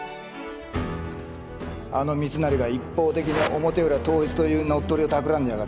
あの密成が一方的に表裏統一という乗っ取りをたくらんでやがるんだ